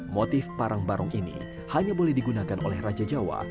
motif parang barong ini hanya boleh digunakan oleh raja jawa